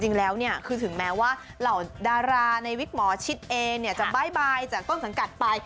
จริงแล้วเนี่ยคือถึงแม้ว่าเหล่าดาราในวิกหมอชิดเองจะบ๊ายบายจากต้นสังกัดไป